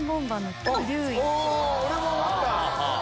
俺も思った。